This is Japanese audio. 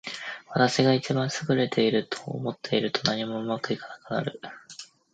私が一番優れていると思っていると、何もうまくいかなくなる。